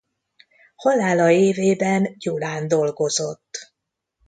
Halála évében Gyulán dolgozott.